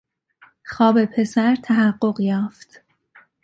خواب پسر تحقق یافت.